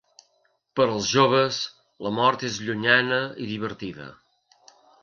Per als joves, la mort és llunyana i divertida.